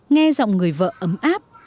nghe giọng người vợ ấm áp